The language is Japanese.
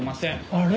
あれ？